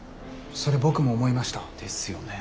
それ僕も思いました。ですよね。